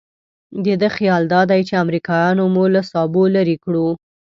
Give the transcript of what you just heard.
د ده خیال دادی چې امریکایانو مو له سابو لرې کړو.